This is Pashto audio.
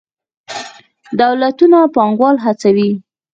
دولتونه پانګوال هڅوي.